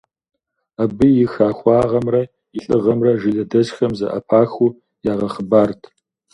Абы и хахуагъэмрэ и лӀыгъэмрэ жылэдэсхэм зэӀэпахыу ягъэхъыбарырт.